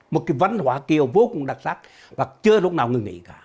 một cái văn hóa kiều vô cùng đặc sắc và chưa lúc nào ngừng nghỉ cả